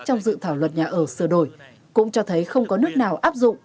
trong dự thảo luật nhà ở sửa đổi cũng cho thấy không có nước nào áp dụng